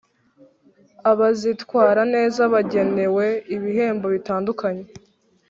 Abazitwara neza bagenewe ibihembo bitandukanye